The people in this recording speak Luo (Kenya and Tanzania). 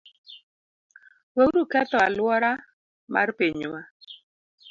Weuru ketho alwora mar pinywa.